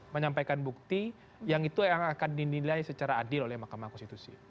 menyampaikan bukti yang itu yang akan dinilai secara adil oleh mahkamah konstitusi